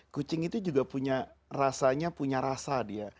kucing itu juga punya rasanya punya rasa dia